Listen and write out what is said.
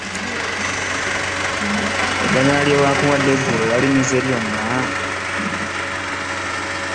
Eddagala lye baakuwadde eggulo walimize lyonna?